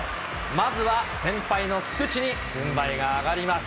まずは先輩の菊池に軍配が上がります。